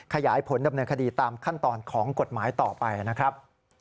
ขยายผลดำเนินคดีตามขั้นตอนของกฎหมายต่อไปนะครับ